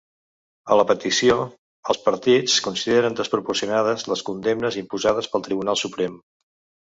A la petició, els partits consideren ‘desproporcionades’ les condemnes imposades pel Tribunal Suprem.